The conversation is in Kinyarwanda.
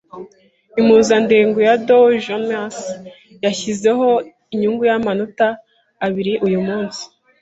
Impuzandengo ya Dow Jones yashyizeho inyungu y amanota abiri uyumunsi.